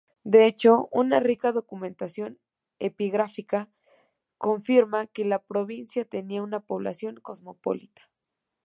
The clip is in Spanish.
De hecho, una rica documentación epigráfica confirma que la provincia tenía una población cosmopolita.